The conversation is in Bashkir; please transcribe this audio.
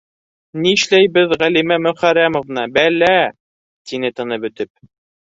Нишләйбеҙ, Ғәлимә Мөхәррәмовна, бәлә! - тине тыны бөтөп.